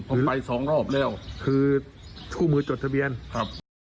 ผมไปสองรอบแล้วคือชู่มือจดทะเบียนครับ